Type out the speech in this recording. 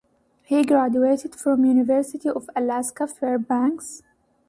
He graduated from University of Alaska Fairbanks.